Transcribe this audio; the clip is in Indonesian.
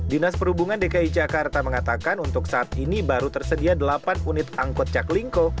dinas perhubungan dki jakarta mengatakan untuk saat ini baru tersedia delapan unit angkot jaklingko